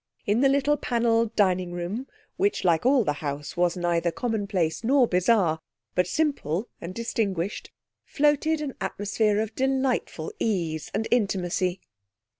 In the little panelled dining room which, like all the house, was neither commonplace nor bizarre, but simple and distinguished, floated an atmosphere of delightful ease and intimacy.